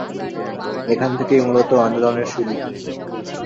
এখান থেকেই মূলতঃ আন্দোলনের শুরু।